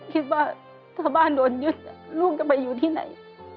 คิดว่าถ้าบ้านโดนยึดลูกจะไปอยู่ที่ไหน